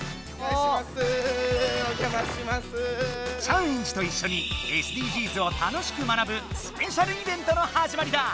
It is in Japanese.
チャンエンジといっしょにＳＤＧｓを楽しく学ぶスペシャルイベントのはじまりだ！